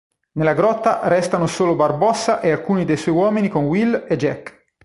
Nella grotta restano solo Barbossa e alcuni dei suoi uomini con Will e Jack.